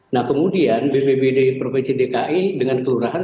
nah kemudian bpbd provinsi dki dengan kelurahan